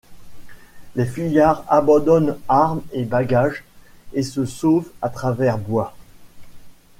Les fuyards abandonnent armes et bagages et se sauvent à travers bois.